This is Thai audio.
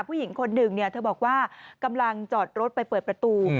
ผู้หญิงคนหนึ่งเธอบอกว่ากำลังจอดรถไปเปิดประตู